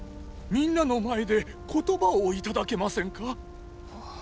みんなの前で言葉を頂けませんか？